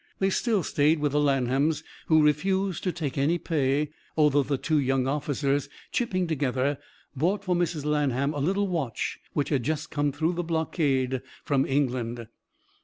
They still stayed with the Lanhams, who refused to take any pay, although the two young officers, chipping together, bought for Mrs. Lanham a little watch which had just come through the blockade from England.